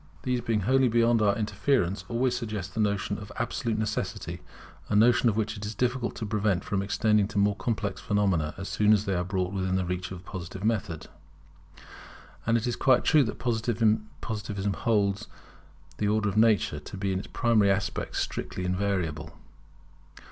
These, being wholly beyond our interference, always suggest the notion of absolute necessity, a notion which it is difficult to prevent from extending to more complex phenomena, as soon as they are brought within the reach of the Positive method. And it is quite true that Positivism holds the Order of Nature to be in its primary aspects strictly invariable.